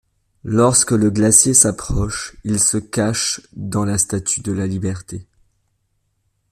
Lorsque le glacier s'approche, ils se cachent dans la statue de la Liberté.